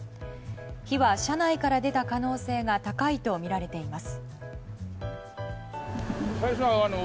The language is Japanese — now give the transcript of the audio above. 火は車内から出た可能性が高いとみられています。